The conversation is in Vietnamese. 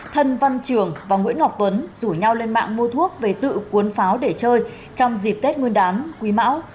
thân văn trường và nguyễn ngọc tuấn rủ nhau lên mạng mua thuốc về tự cuốn pháo để chơi trong dịp tết nguyên đán quý mão